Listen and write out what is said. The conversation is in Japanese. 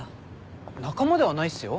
仲間ではないっすよ。